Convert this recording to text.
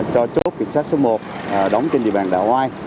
cho chốt kiểm soát số một đóng trên địa bàn đạo hoài